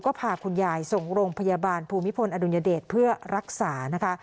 ก็พาคุณยายส่งโรงพยาบาลภูมิพลอดุลยเดชเพื่อรักษานะคะ